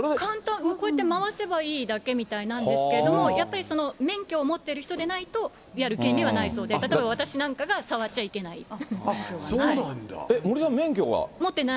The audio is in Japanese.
こうやって回せばいいだけみたいなんですけども、やっぱり免許を持っている人でないと、やる権利はないそうで、例えば私なんかが触っちゃいけない。